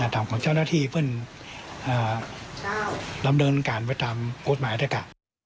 ทำของเจ้าหน้าที่เพื่อดำเนินการไปตามกฎหมายได้กล่าว